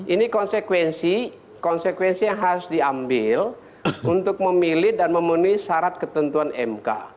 ini konsekuensi yang harus diambil untuk memilih dan memenuhi syarat ketentuan mk